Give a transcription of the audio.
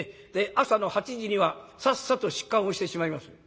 「朝の８時にはさっさと出棺をしてしまいます」。